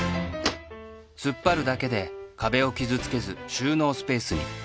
突っ張るだけで壁を傷つけず収納スペースに